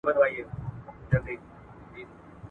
ایا نړیواله ټولنه د افغانستان د پوهنې له نظام سره مرسته کوي؟